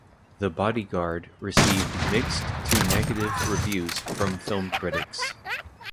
"The Bodyguard" received mixed to negative reviews from film critics.